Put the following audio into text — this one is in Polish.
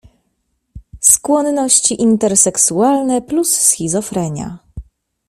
„Skłonności interseksualne plus schizofrenia.